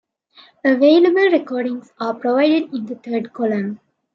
Available recordings are provided in the third column.